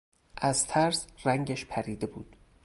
از ترس رنگش پریده بود.